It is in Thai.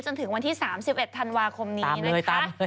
จนถึงวันที่๓๑ธันวาคมนี้นะคะ